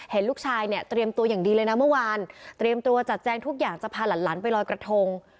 เห็นลูกชายเนี่ยเตรียมตัวอย่างดีเลยนะเมื่อวานเตรียมตัวจัดแจงทุกอย่างจะพาหลานไปลอยกระทง